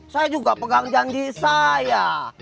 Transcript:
saya juga pegang janji saya